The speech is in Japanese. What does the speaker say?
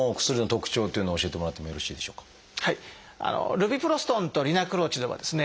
「ルビプロストン」と「リナクロチド」はですね